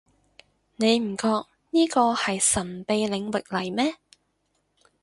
你唔覺呢個係神秘領域嚟咩